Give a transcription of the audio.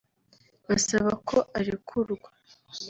basaba ko arekurwa